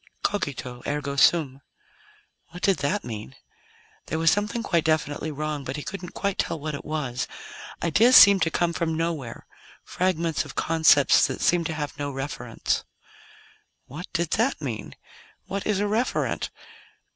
Cogito, ergo sum. What did that mean? There was something quite definitely wrong, but he couldn't quite tell what it was. Ideas seemed to come from nowhere; fragments of concepts that seemed to have no referents. What did that mean? What is a referent?